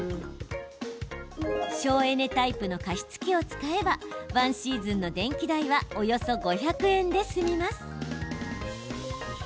省エネタイプの加湿器を使えば１シーズンの電気代はおよそ５００円で済みます。